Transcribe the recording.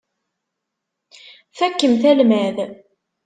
Fakkemt almad.